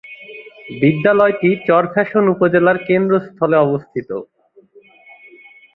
বিদ্যালয়টি চরফ্যাশন উপজেলার কেন্দ্রস্থলে অবস্থিত।